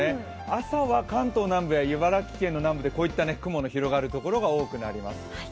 朝は関東南部や茨城県の南部で雲の広がる所が多くなります。